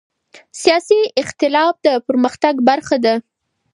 سیاسي اختلاف د پرمختګ برخه ده